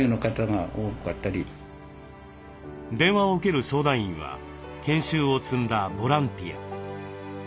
電話を受ける相談員は研修を積んだボランティア。